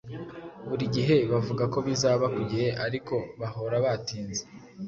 Buri gihe bavuga ko bizaba ku gihe, ariko bahora batinze.